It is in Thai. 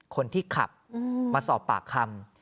คนที่ขับมาสอบปากคำ